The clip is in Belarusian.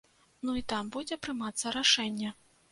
Ну, і там будзе прымацца рашэнне.